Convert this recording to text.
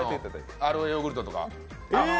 アロエヨーグルトとか。